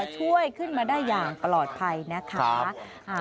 ช่วยขึ้นมาได้อย่างปลอดภัยนะคะ